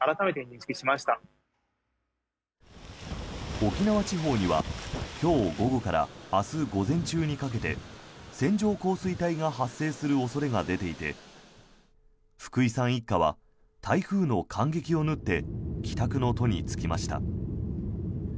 沖縄地方には今日午後から明日午前中にかけて線状降水帯が発生する恐れが出ていて福井さん一家は台風の間隙を縫って帰宅の途に就きました。